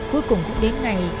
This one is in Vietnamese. cuối cùng đến ngày